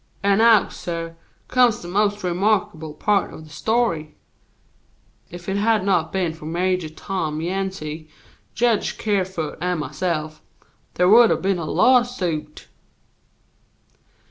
"And now, suh, comes the most remarkable part of the story. If it had not been for Major Tom Yancey, Jedge Kerfoot and myself, there would have been a lawsuit."